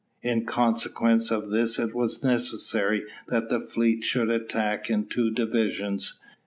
In consequence of this it was necessary that the fleet should attack in two divisions.